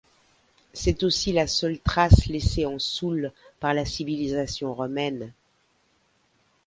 C'est aussi la seule trace laissée en Soule par la civilisation romaine.